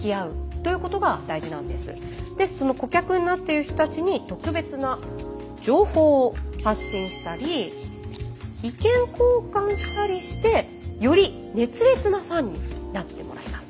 でその顧客になっている人たちに特別な情報を発信したり意見交換したりしてより熱烈なファンになってもらいます。